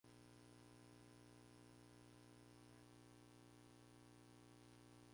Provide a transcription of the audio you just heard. El primer recital tuvo lugar en el Parque de la Hispanidad.